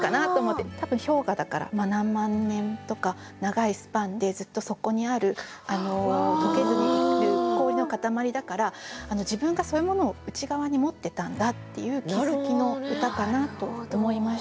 多分氷河だから何万年とか長いスパンでずっとそこにある解けずにいる氷の塊だから自分がそういうものを内側に持ってたんだっていう気付きの歌かなと思いました。